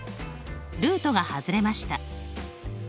ルートが外れました。